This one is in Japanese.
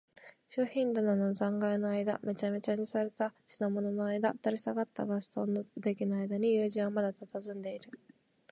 商品棚の残骸のあいだ、めちゃめちゃにされた品物のあいだ、垂れ下がったガス燈の腕木のあいだに、友人はまだたたずんでいる。